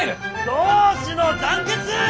同志の団結！